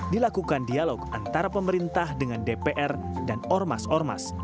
dilakukan dialog antara pemerintah dengan dpr dan ormas ormas